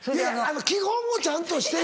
基本をちゃんとして。